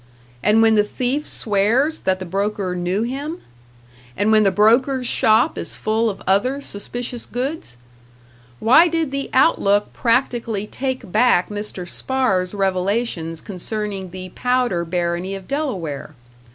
And when the thief swears that the broker knew him? And when the broker's shop is full of other suspicious goods? Why did the "Outlook" practically take back Mr. Spahr's revelations concerning the Powder barony of Delaware?